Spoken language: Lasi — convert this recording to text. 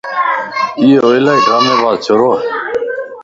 يو الائي ڊرامي باز ڇوروَ